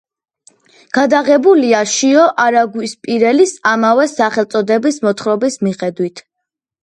გადაღებულია შიო არაგვისპირელის ამავე სახელწოდების მოთხრობის მიხედვით.